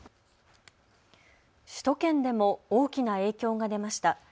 首都圏でも大きな影響が出ました。